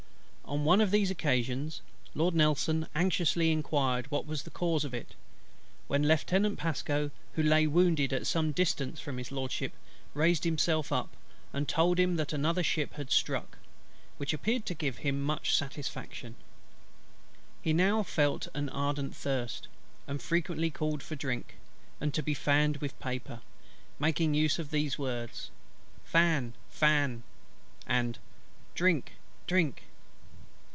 On one of these occasions, Lord NELSON anxiously inquired what was the cause of it; when Lieutenant PASCO, who lay wounded at some distance from His LORDSHIP, raised himself up, and told him that another ship had struck, which appeared to give him much satisfaction. He now felt an ardent thirst; and frequently called for drink, and to be fanned with paper, making use of these words: "Fan, fan," and "Drink, drink."